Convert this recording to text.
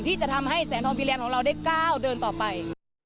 ที่จะทำให้แสงทองฟิแลนดของเราได้ก้าวเดินต่อไป